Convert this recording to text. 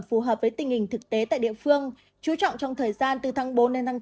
phù hợp với tình hình thực tế tại địa phương chú trọng trong thời gian từ tháng bốn đến tháng bốn